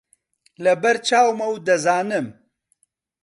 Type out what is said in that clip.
لەبەر چاومە و دەزانم